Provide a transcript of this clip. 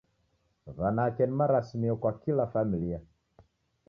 W'anake ni marasimio kwa kila familia